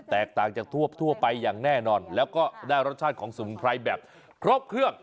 แตกต่างจากทั่วไปอย่างแน่นอนแล้วก็ได้รสชาติของสมุนไพรแบบครบเครื่อง